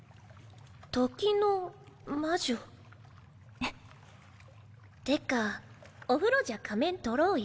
時の魔女。ってかお風呂じゃ仮面取ろうよ。